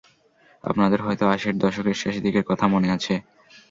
আপনাদের হয়তো আশির দশকের শেষ দিকের কথা মনে আছে।